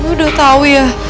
mami udah tau ya